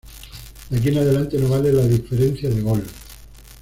De aquí en adelante no vale la diferencia de gol.